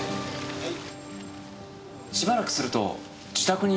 はい。